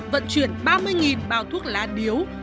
vận chuyển ba mươi bao thuốc lá điếu